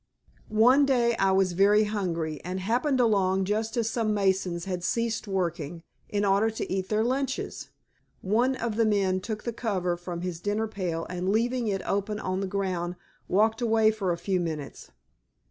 One day I was very hungry, and happened long just as some masons had ceased working, in order to eat their lunches. One of the men took the cover from his dinner pail and, leaving it open on the ground, walked away for a few minutes.